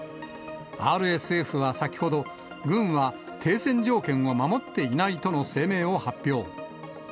ＲＳＦは先ほど、軍は停戦条件を守っていないとの声明を発表。